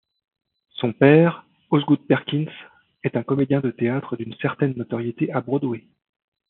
Son père, Osgood Perkins, est un comédien de théâtre d'une certaine notoriété à Broadway.